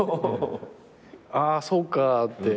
ああそうかって。